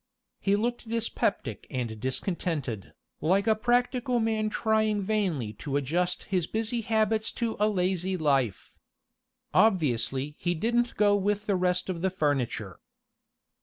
He looked dyspeptic and discontented, like a practical man trying vainly to adjust his busy habits to a lazy life. Obviously he didn't go with the rest of the furniture.